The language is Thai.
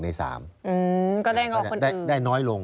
ก็ได้งอกคนอื่นได้น้อยลง